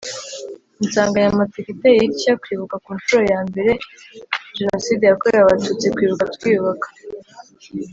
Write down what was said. Insanganyamatsiko iteye itya Kwibuka ku nshuro ya mbere Jenoside yakorewe Abatutsi Kwibuka twiyubaka